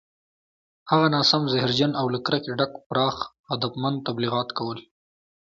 هغه ناسم، زهرجن او له کرکې ډک پراخ هدفمند تبلیغات کول